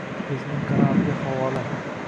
Bizning kanal Havola 👇👇👇